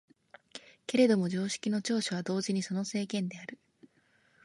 けれども常識の長所は同時にその制限である。